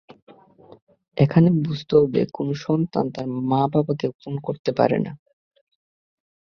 এখানে বুঝতে হবে, কোনো সন্তান তার মা-বাবাকে খুন করতে পারে না।